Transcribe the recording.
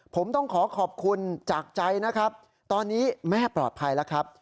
ผมต้องขอขอบคุณจากใจนะครับตอนนี้แม่ปลอดภัยแล้วครับ